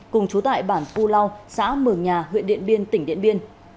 cùng chú tại bản pu lau xã mường nhà huyện điện biên tỉnh điện biên